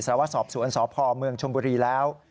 ว่าสอบสวนสพเมืองชมบุรีแล้ว